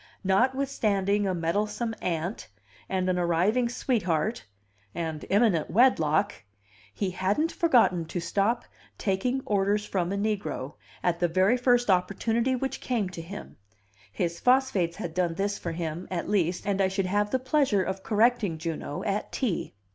Notwithstanding a meddlesome aunt, and an arriving sweetheart, and imminent wedlock, he hadn't forgotten to stop "taking orders from a negro" at the very first opportunity which came to him; his phosphates had done this for him, at least, and I should have the pleasure of correcting Juno at tea.